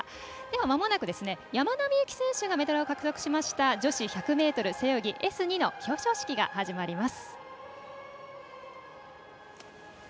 まもなく、山田美幸選手がメダルを獲得しました女子１００ｍ背泳ぎＳ２の表彰式が始まります。